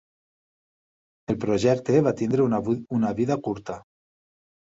El projecte va tenir una vida curta.